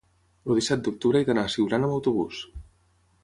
el disset d'octubre he d'anar a Siurana amb autobús.